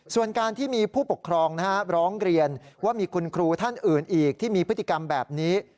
ส่วนการที่มีผู้ปกครองร้องเรียนว่ามีคุณครูท่านอื่นอีกที่มีพฤติกรรมแบบนี้